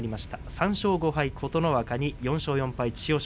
３勝５敗、琴ノ若に４勝４敗、千代翔